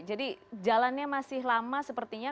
jadi jalannya masih lama sepertinya